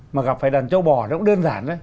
mà gặp phải đàn châu bò nó cũng đơn giản